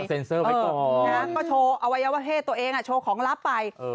ก็เซ็นเซอร์ไปก่อนเออนะก็โชว์เอาไว้เอาว่าเฮตตัวเองอ่ะโชว์ของลับไปเออ